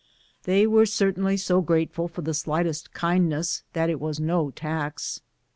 They were certainly so grateful for the slightest kindness it was no tax.